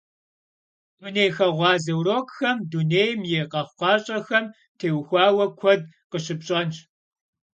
Dunêyxeğuaze vurokxem dunêym yi khexhukhaş'exem têuxuaue kued khışıpş'enş.